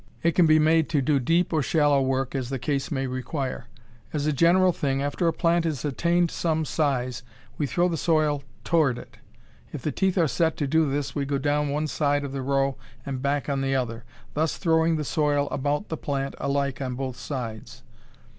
It can be made to do deep or shallow work, as the case may require. As a general thing, after a plant has attained some size we throw the soil toward it. If the teeth are set to do this we go down one side of the row and back on the other, thus throwing the soil about the plant alike on both sides.